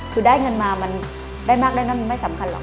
คือได้เงินมามันได้มากได้นั่นมันไม่สำคัญหรอก